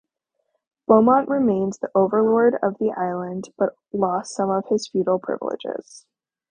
Beaumont remained the overlord of the island, but lost some of his feudal privileges.